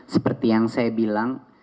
seperti yang saya bilang